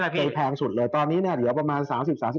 ไปแพงสุดเลยตอนนี้เนี่ยอยู่ประมาณ๓๐๓๑แล้ว